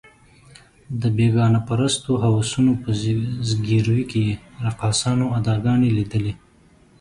د بېګانه پرستو هوسونو په ځګیروي کې یې رقاصانو اداګانې لیدلې.